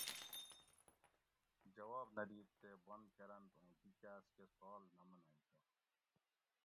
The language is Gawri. جواب نہ دِیت تے بند کرنت اوں دی کاۤس کہ سوال نہ منئی تہ